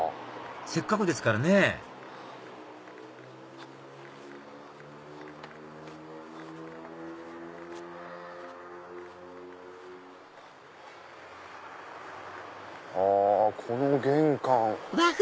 せっかくですからねあこの玄関。